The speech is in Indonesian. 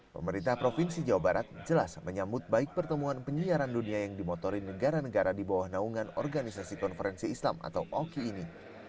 pemerintah provinsi jawa barat jelas menyambut baik pertemuan penyiaran dunia yang dimotori negara negara di bawah naungan organisasi konferensi islam atau oki ini